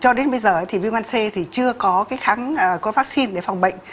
cho đến bây giờ thì viêm gan c thì chưa có cái kháng có vaccine để phòng bệnh